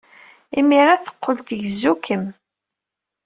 Imir-a, teqqel tgezzu-kem.